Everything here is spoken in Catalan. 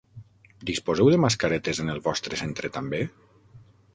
Disposeu de mascaretes en el vostre centre també?